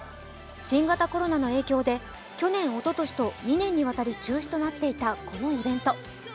新型コロナの影響で去年、おととしと２年にわたり中止となっていたこのイベント。